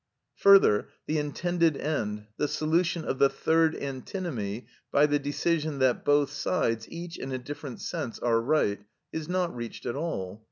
Further, the intended end, the solution of the third antinomy by the decision that both sides, each in a different sense, are right, is not reached at all.